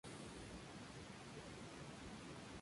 En Madrid conoció y trabajó para Eugeni d'Ors.